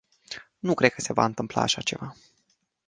Nu cred că se va întâmpla așa ceva.